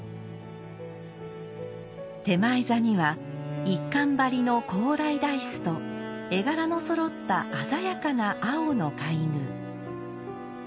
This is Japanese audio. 点前座には一閑張の高麗台子と絵柄のそろった鮮やかな青の皆具。